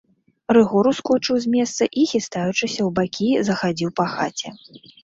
Рыгор ускочыў з месца і, хістаючыся ў бакі, захадзіў па хаце.